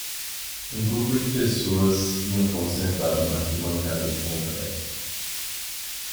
Um grupo de pessoas e um cão sentado na arquibancada de concreto.